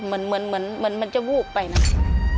เหมือนมันจะวูบไปนะ